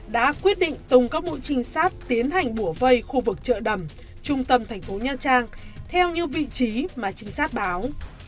đã quyết định tùng các mũi trinh sát tiến hành bùa vây khu vực chợ đầm trung tâm thành phố nha trang theo như vị trí mà trinh sát báo